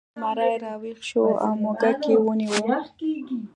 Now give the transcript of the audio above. زمری راویښ شو او موږک یې ونیو.